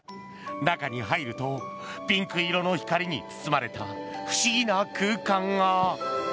中に入るとピンク色の光に包まれた不思議な空間が。